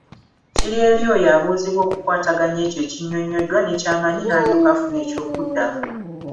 Kiri eri oyo abuuzibwa okukwataganya ekyo ekinnyonnyoddwa n’ekyamanyi n’alyoka afuna ekyokuddamu.